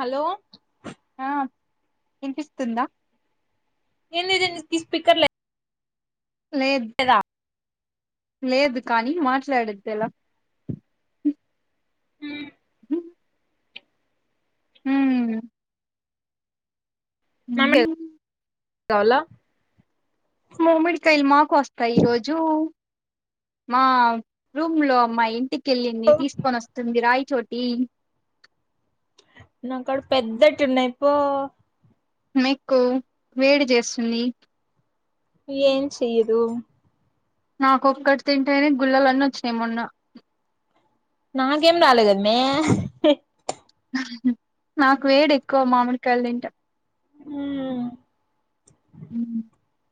Hello హా ఇనిపిస్తుందా ఏ [unintelligible] speaker లే లేద్ లేదు కానీ మాట్లాడే దేలా హు హు హ కవలా మామిడికాయలు మాకు వస్తాయి ఈ రోజు మా రూమ్ లో మా ఇంటికి కెళ్ళింది తీసుకొని వస్తుంది రాయిచోటి నాకడ పెద్దటున్నాయిపో నీకు వేడి చేస్తుంది ఏం చెయదు నాకొక్కటి తింటేనే గుళ్ళలన్నీ వచ్చినై మొన్న. నాకేం రాలేకదమ్య నాకు వేడేక్కువ మామిడికాయలు తింటే హు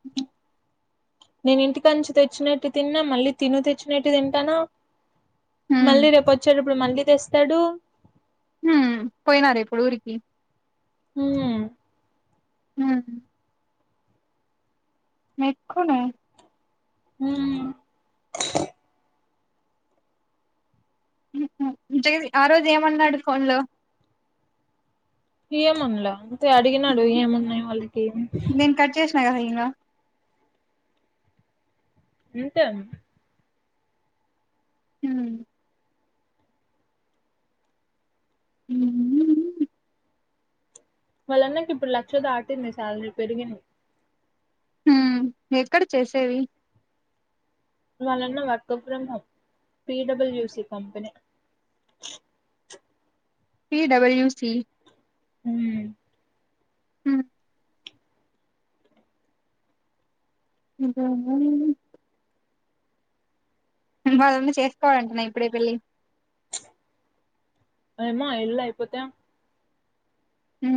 నేను ఇంటికాంచి తెచ్చినేటి తిన్నా మళ్ళీ తిను తెచ్చినటి తింటానా. మళ్ళీ ఉమ్ రేపు వచ్చేటప్పుడు మళ్ళీ తెస్తాడు హు పోయినారిప్పుడు ఊరికి హు హు మెక్కునే హు మ్మ [unintelligible] నిజగానే ఆ రోజు ఏమన్నాడు ఫోన్ లో. ఏమండ్ల అంతే అడిగినడు ఏమున్నాయి వాళ్ళి మేం కట్ చేసిన కదా ఇంగా ఇంతే హు వాళ్ళన్నకిప్పుడు లక్ష దాటింది శాలరీ పెరిగింది. హ ఎక్కడ చేసేవి వాళ్లన్న వర్క్ ఫ్రొం హోమ్ పిడయూసి కంపెనీ. పి డబల్యూ సి హు [unintelligible] వాళ్ళన్న చేసుకోడంటన ఇప్పుడే పెళ్ళి ఏమో ఆ ఇల్లు అయిపోతే హు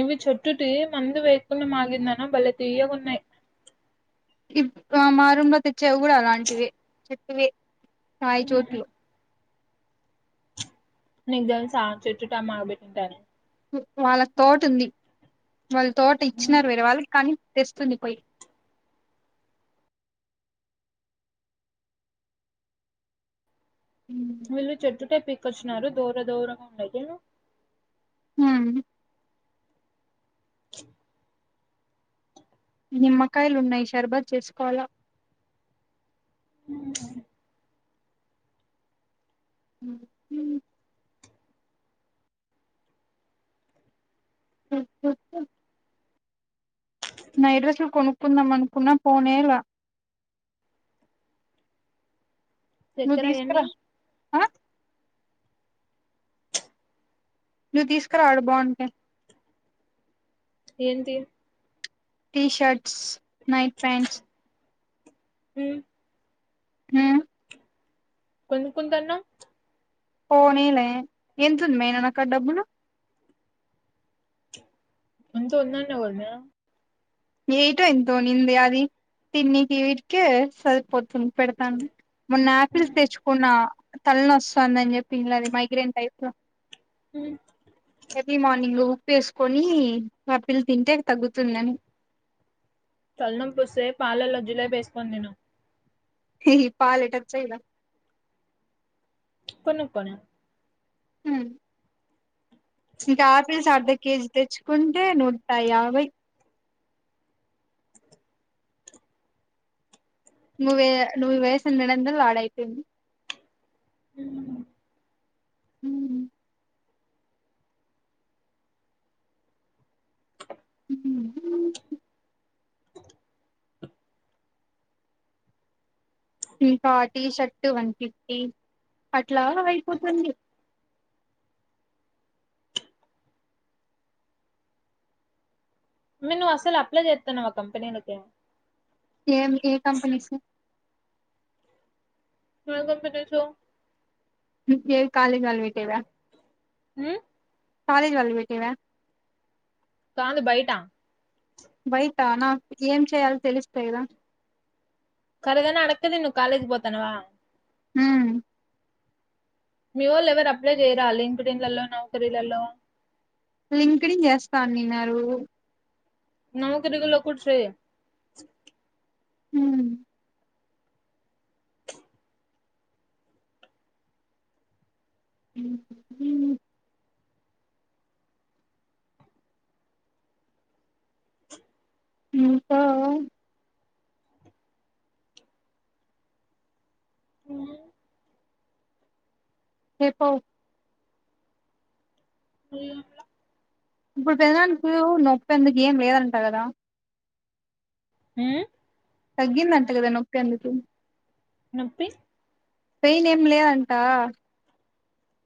ఇవి చెట్టుటి మందువేకుండ మాగిందన బలే తియ్యగున్నయ్. ఇప్ ఆ మా రూమ్ లో తెచ్చావి గూడ అలాంటివే చెప్పవే సాయి ఉమ్, చోట్లు నీక్ దెల్సా చుట్టు టమా [unintelligible] వ్ వాళ్ళకి తోటుంది వాళ్ళు తోట ఇచ్చినారు వేరే వాళ్ళకి కానీ తెస్తుంది పొయ్ వీళ్ళు చేట్టుట్టే పికొచ్చినారు దోర దోరగా ఉందైతే ఆ [inaudible] నిమ్మకాయలున్నయ్ షర్బత్ చేసుకోవాల [unintelligible] [inaudible] [unintelligible] నైడ్రేస్లు కొనుక్కుందామనుకున్నా పోనేల నువ్వు చెక్కర యెన్ని తీసుకురా ఆ నువ్వు తీసుకరా ఆడ బావుంటే ఏంటీ టీషర్ట్స్ నైట్ ప్యాంట్స్ [unintelligible] [unintelligible] కొనుక్కుంటన్నవ్ పోనీలే యెంతుందే నాకాడ డబ్బులు ఎంతో ఉందన్నవ్ గదనే నీతో ఎంతోనింది అది తిన్నీకి వీటికే సరిపోతుంది పెడతాం మొన్న ఆయాపిల్స్ తెచ్చుకున్నా తలనొస్తందని చెప్పి ఇల్లాది మైగ్రైన్ టైప్ లో [unintelligible] ఎర్లీ మార్నింగు ఉప్పేసుకొనీ ఆపిల్ తింటే తగ్గుతుందని తల్ నొప్పొస్తే పాలల్ల జిలేబేస్కొన్ దిను [unintelligible] కొను క్కొన్న మ్మ్ ఇంక ఆపిల్స్ అర్ధ కేజీ తెచ్చుకుంటే నూట యాభై నువే నువేసిం రెండొదల్ ఆడైపొయ్నయ్ [unintelligible] ఊ ఇంకా టీషర్టు వన్ ఫిఫ్టీ అట్లా అయిపోతుంది. మ నువ్ అస్సల్ అప్లయ్ జేత్తున్నవా కంపెనీలకీ యేం ఏ కంపనీసు నువ్ ఏం కంప్లీట్ చేసావ్ [unintelligible] కాలేజ్ వాళ్లు వెట్టిర్ర ఉమ్, కాలేజ్ వాళ్లు బెట్టిర్రా కాలు బయట బయటా నాకు ఏం చేయలో తెలిస్తే కదా కర్రిదాన అడక్కతిను కాలేజ్కి పోతానవా ఉ మీ వొళ్ళు ఎవరు అప్లై చేయరా లింక్డిన్ లల్లో నౌకారి లల్లో లింక్డిన్ చేస్తానిన్నారు నౌకరి లో కూడా ట్రై ఉ ఉ ఉ ఇంకా ఆ చెప్పు ఎం ల ఇప్పుడు పెదనానికి నొప్పి ఎందుకు ఏం లేదంట కదా ఉ తగ్గిందట్ట కదా నొక్కేందుకు నొప్పి పెయిన్ ఏం లేదంటా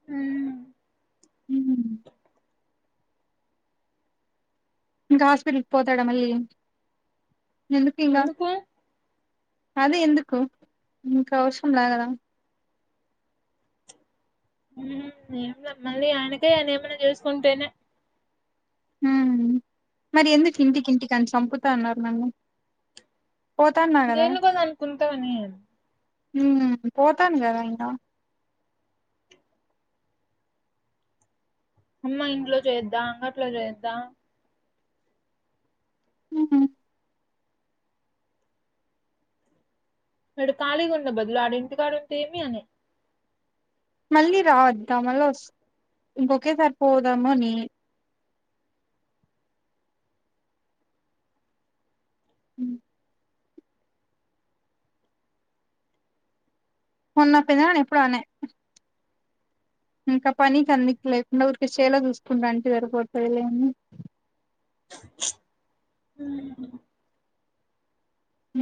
ఉ ఉ ఇంకా హాస్పిటల్కి పోతాడా మళ్ళీ ఎందుకు ఇంగ అదే ఎందుకు ఇంకా అవసరం లాగదా ఉహు ఏమ్ ల మల్లి ఆయనకే ఆయన ఏమన్నా చేసుకుంటేనే మరి ఎందుకు ఇంటికి ఇంటికని చంపుతాన్నారు నన్ని దేన్లకో దానికి ఉంటావని ఉ పోతాను కదా ఇంగ అమ్మా ఇంట్లో చేద్దా అంగట్లో చేద్దా ఉహు మడి ఖాళీగా ఉండే బదులు ఆడ ఇంటి కాడ ఉంటే అని మళ్ళీ రాద్దా మళ్ళ వస్ ఇంకొకేసారి పోదాముని ఉ మొన్న పెదనాన్న ఎప్పుడో అన ఇంకా పని కెందుకు లేకుండ ఊరికె చేలో చూసుకుంటాంటె సరిపోతది లే అని ఉ హ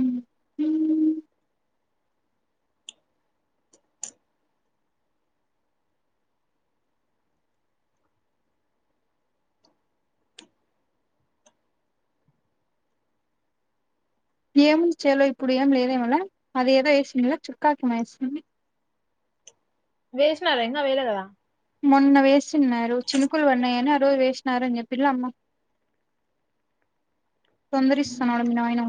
ఏముంది చేలో ఇప్పుడు ఎం లేదేమోల అది ఏదో ఏసిండ్ల చుక్కాకి ఎమో వేసింది వేసినారా ఇంకా వెయ్యలా కదా మొన్న వేసిన్నారు చినుకులు వన్నాయని ఆ రోజు వేసినారని చెప్పిళ అమ్మ తొందరిస్తనాడు మీ నాయన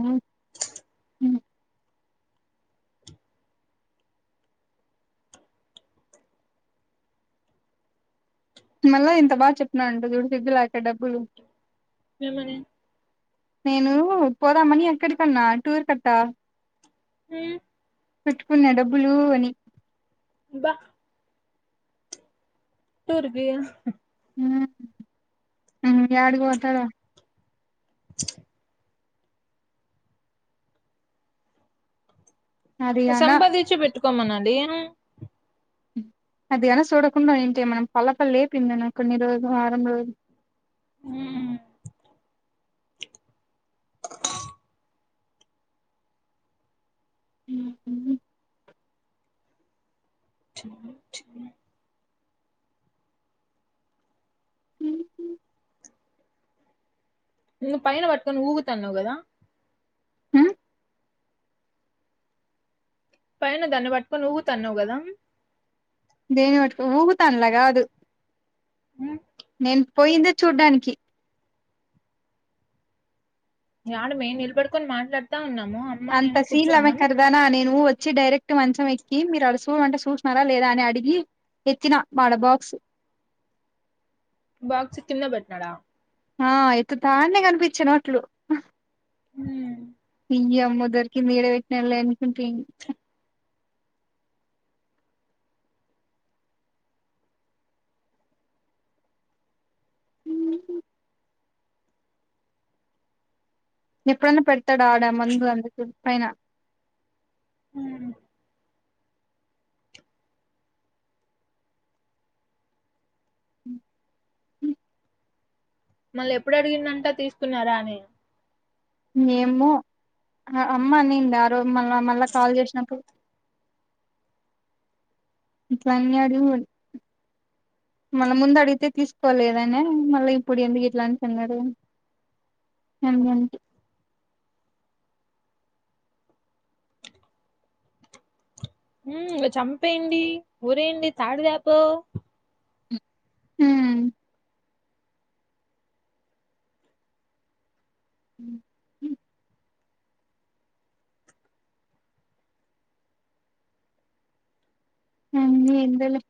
మళ్ళా ఎంత బాగా చెప్తున్నాదంట చూడు సిగ్గు లేక డబ్బులు ఏమని నేను పోదామని ఎక్కడికన్నా టూర్ కట్టా ఉ పెట్టుకున్న డబ్బులు అని బా టూరుపి ఉమ్ యాడి పోతాడో అది అనా సంపాదించి పెట్టుకోమనాలి [inaudible] అది గనా సూడకుండా అయింటే మనం పల్లపలు లేపింది కొన్ని రోజులు వారం రోజులు ఉమ్ ఉమ్ ఉమ్ చుమ్ చుమ్ నువ్ పైన బట్టుకొని ఊగుతున్నవ్ గదా ఉమ్ పైన దాన్ని బట్టుకొని ఊగుతన్నావ్ గదా దేన్ని బట్టుకొని ఊగుతాల్లా గాదు నేను పోయిందే చూడ్డానికి యాడ మేయిన్ నిలబడుకొని మాట్లాడతా ఉన్నావ్ అంత సీన్ లేవే కర్దానా నేను వ చ్చి డైరెక్ట్ మంచం ఎక్కి మీరు అడుసూడ మంటే చూసినారా లేదా అని అడిగి ఎత్తిన మాడ బాక్స్ బాక్స్ కింద బెట్టినాడా ఆ ఎత్తుతా ఉంటే కనిపించిన అట్లు ఉమ్ ఈ అమ్మదొరికింది ఈడ బెట్టినలే అనుకొని పోయిండు ఎప్పుడైన్నా పెడతాడు ఆడ మందు అందుకే పైన ఉమ్ ఉమ్ ఉమ్ మళ్ళీ ఎప్పుడు అడిగిందంటా తీసుకున్నారా అని ఏమో అమ్మ అనింది ఆ రోజు మళ్ళ మళ్ళా కాల్ జేసినప్పుడు ఇట్ల అన్నరు మళ్ళ ముందు అడిగితే తీసుకోలేదనే మళ్ళ ఇప్పుడు ఎందుకు ఇట్లాంటున్నారు. అంతే ఉమ్ ఇగ చంపేయండి ఊరేయండి తాడుదేపో హ్మ్ ఉమ్ ఉమ్ అన్ని ఎందోలే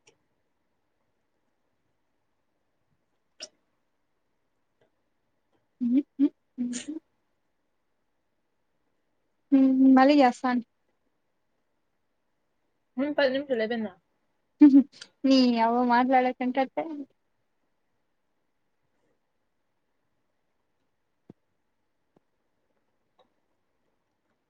ఉమ్ మ్ మ్ ఉమ్ మళ్ళీ జేస్తాను ఉమ్ పది నిమిషాలు అయిపోయిందా నీ అవ్వ మాట్లాడకంటంటే